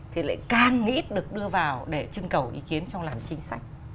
thì lại càng ít được đưa vào để trưng cầu ý kiến trong làm chính sách